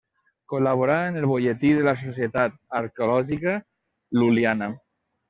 Col·laborà en el Bolletí de la Societat Arqueològica Lul·liana.